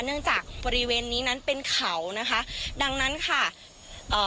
เนื่องจากบริเวณนี้นั้นเป็นเขานะคะดังนั้นค่ะเอ่อ